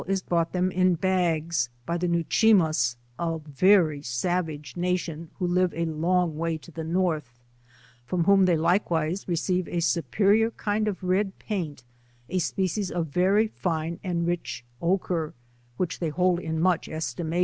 is brought them in bags by the Ne'wchemass, a very savage nation who live a long way to the North, from whom they like .vise receive a superior kind of red paint, a species of ry fine and rich ochre, which they hold ia much ■ iination.